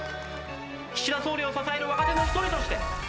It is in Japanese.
岸田総理を支える若手の一人として。